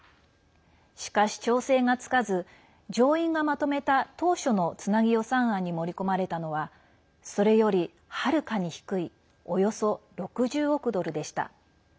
しかし、調整がつかず上院がまとめた当初のつなぎ予算案に盛り込まれたのはそれより、はるかに低いおよそ６０億ドルでした。